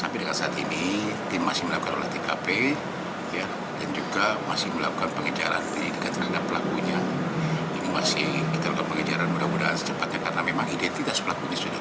polda metro jaya